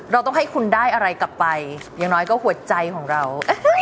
เราต้องให้คุณได้อะไรกลับไปอย่างน้อยก็หัวใจของเรา